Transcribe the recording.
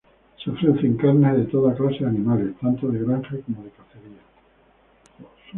Se ofrecen carnes de toda clase de animales, tanto de granja como de cacería.